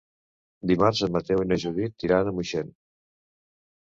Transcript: Dimarts en Mateu i na Judit iran a Moixent.